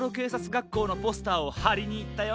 がっこうのポスターをはりにいったよ。